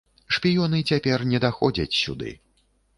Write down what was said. Шпіёны цяпер не даходзяць сюды.